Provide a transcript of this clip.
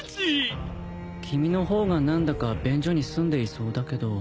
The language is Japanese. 君の方が何だか便所に住んでいそうだけど。